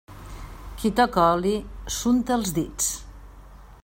Qui toca oli, s'unta els dits.